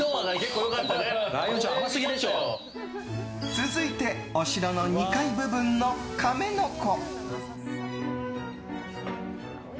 続いて、お城の２階部分のカメノコ。